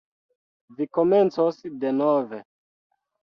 Vi komencos denove.